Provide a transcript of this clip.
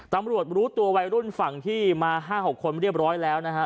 รู้ตัววัยรุ่นฝั่งที่มา๕๖คนเรียบร้อยแล้วนะฮะ